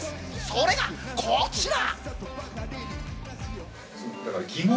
それがこちら。